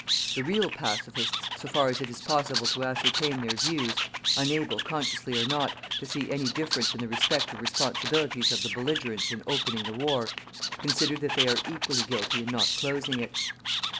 The real "pacifists," so far as it is possible to ascertain their views, unable, consciously or not, to see any difference in the respective responsibilities of the belligerents in opening the war, consider that they are equally guilty in not closing it.